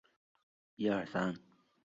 星组是宝冢歌剧团的第四个组。